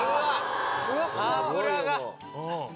脂が！